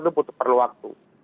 tentu perlu waktu